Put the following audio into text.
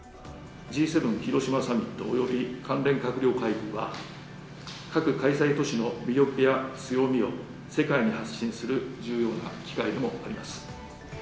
Ｇ７広島サミット及び関連閣僚会議は各開催都市の魅力や強みを世界に発信する重要な機会でもあります。